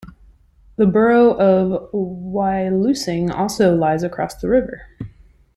The borough of Wyalusing also lies across the river.